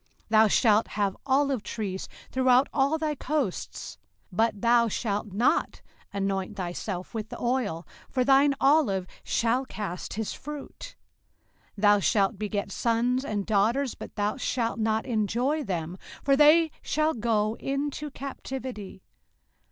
05:028:040 Thou shalt have olive trees throughout all thy coasts, but thou shalt not anoint thyself with the oil; for thine olive shall cast his fruit. 05:028:041 Thou shalt beget sons and daughters, but thou shalt not enjoy them; for they shall go into captivity.